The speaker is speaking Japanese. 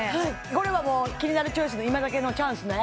これはもう「キニナルチョイス」で今だけのチャンスね？